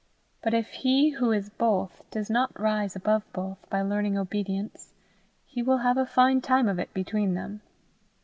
But if he who is both does not rise above both by learning obedience, he will have a fine time of it between them.